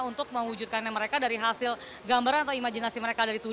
untuk mewujudkan mereka dari hasil gambaran atau imajinasi mereka dari tujuan